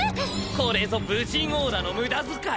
これぞ武人オーラの無駄遣い。